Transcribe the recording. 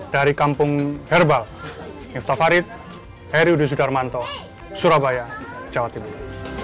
dari kampung herbal niftah farid heriudududarmanto surabaya jawa timur